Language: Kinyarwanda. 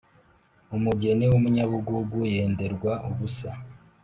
umugeni w'umunyabugugu yenderwa ubusa